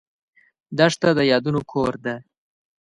دښته د یادونو کور ده.